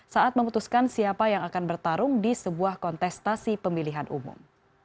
saat memutuskan siapa yang akan bertarung di sebuah kontestasi pemilihan umum